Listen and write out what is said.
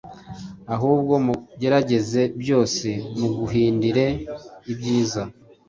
ahubwo mugerageze byose, mugundire ibyiza.”